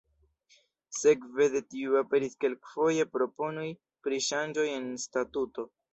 Sekve de tio aperis kelkfoje proponoj pri ŝanĝoj en statuto.